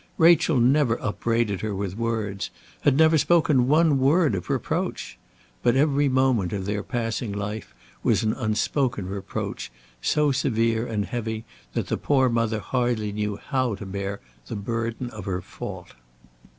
Rachel never upbraided her with words, had never spoken one word of reproach. But every moment of their passing life was an unspoken reproach, so severe and heavy that the poor mother hardly knew how to bear the burden of her fault.